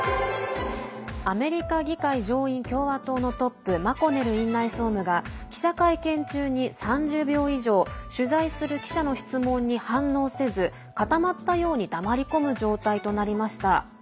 アメリカ上院共和党のトップ、マコネル院内総務が記者会見中に３０秒以上取材する記者の質問に反応せず固まったように黙り込む状態となりました。